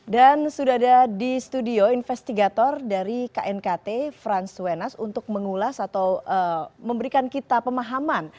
dan sudah ada di studio investigator dari knkt franz suenas untuk mengulas atau memberikan kita pemahaman